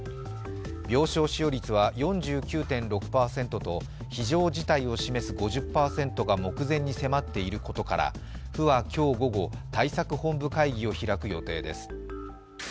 病床使用率は４９．６％と非常事態を示す５０％が目前に迫っていることから、府は今日午後、対策本部会議を開く予定です。